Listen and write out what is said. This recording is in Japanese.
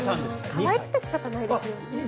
可愛くて仕方ないですよね。